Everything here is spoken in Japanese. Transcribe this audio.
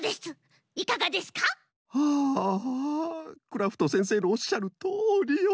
クラフトせんせいのおっしゃるとおりよ。